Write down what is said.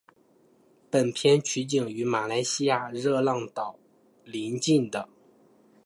本片取景于马来西亚热浪岛邻近的。